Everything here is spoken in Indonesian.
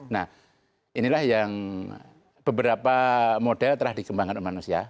nah inilah yang beberapa model telah dikembangkan oleh manusia